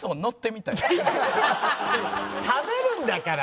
食べるんだから！